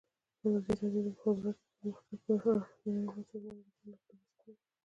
ازادي راډیو د د مخابراتو پرمختګ په اړه د نړیوالو سازمانونو راپورونه اقتباس کړي.